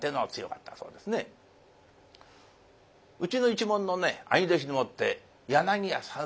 うちの一門のね兄弟子でもって柳家さん